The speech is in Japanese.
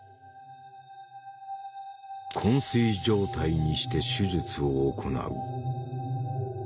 こん睡状態にして手術を行う。